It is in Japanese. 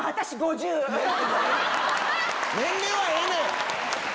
年齢はええねん！